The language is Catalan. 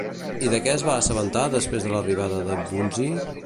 I de què es va assabentar després de l'arribada de Bunzi?